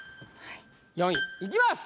４位いきます